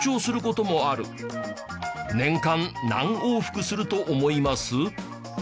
年間何往復すると思います？